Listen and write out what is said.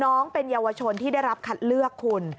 น้องเป็นเยาวชนที่ได้รับคัดเลือกคุณ